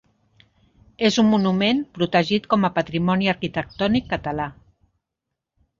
És un monument protegit com a Patrimoni Arquitectònic Català.